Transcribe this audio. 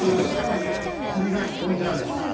「これがポイントなんです」